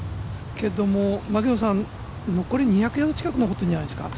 残り２００ヤードぐらい残ってるんじゃないですか？